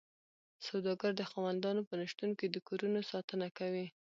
سوداګر د خاوندانو په نشتون کې د کورونو ساتنه کوي